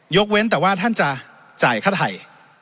เว้นแต่ว่าท่านจะจ่ายค่าไทย